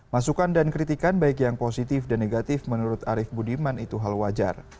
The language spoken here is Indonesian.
masukan dan kritikan baik yang positif dan negatif menurut arief budiman itu hal wajar